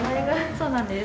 そうなんです。